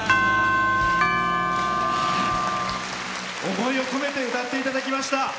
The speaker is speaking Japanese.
思いを込めて歌っていただきました。